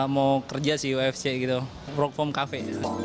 mau kerja si ufc gitu work from cafe